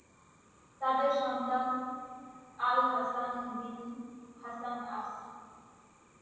তাদের সন্তান: -আল হাসান বিন হাসান আস।